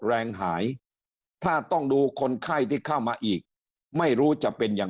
แรงหายถ้าต้องดูคนไข้ที่เข้ามาอีกไม่รู้จะเป็นอย่าง